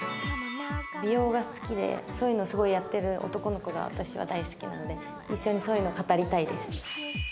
美容が好きでそういうのをすごいやってる男の子が私は大好きなので一緒にそういうのを語りたいです。